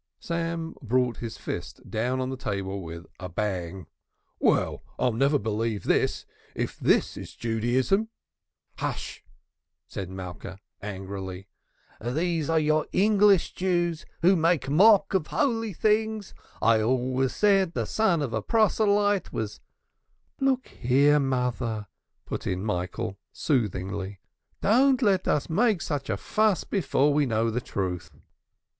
Sam brought his fist down on the table with a bang. "Well, I'll never believe this! If this is Judaism !" "Hush!" said Malka angrily. "These are your English Jews, who make mock of holy things. I always said the son of a proselyte was " "Look here, mother," put in Michael soothingly. "Don't let us make a fuss before we know the truth.